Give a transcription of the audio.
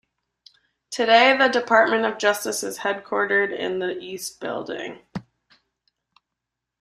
Today the Department of Justice is headquartered in the East Building.